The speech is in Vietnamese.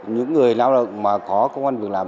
những người lao động mà có công an việc làm